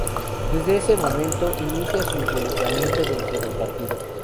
Desde ese momento, inicia su involucramiento dentro del partido.